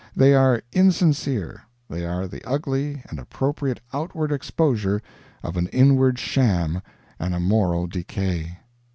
They are insincere, they are the ugly and appropriate outward exposure of an inward sham and a moral decay.